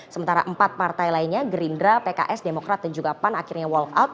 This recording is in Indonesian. sementara empat partai lainnya gerindra pks demokrat dan juga pan akhirnya walk out